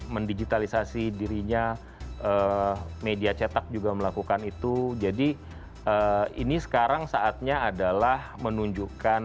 mendigitalisasi dirinya media cetak juga melakukan itu jadi ini sekarang saatnya adalah menunjukkan